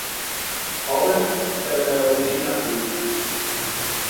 Robert é o rei na corte.